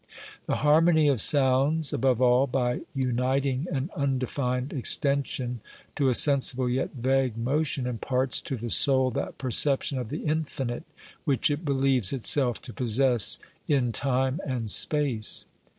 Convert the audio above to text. The harmony of sounds above all, by uniting an unde fined extension to a sensible yet vague motion, imparts to the soul that perception of the infinite which it believes itself to possess in time and space.